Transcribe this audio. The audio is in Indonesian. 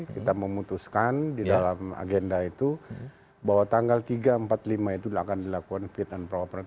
kita memutuskan di dalam agenda itu bahwa tanggal tiga empat lima itu akan dilakukan fit and proper tes